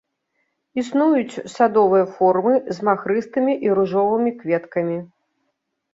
Існуюць садовыя формы з махрыстымі і ружовымі кветкамі.